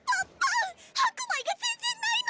白米が全然ないの！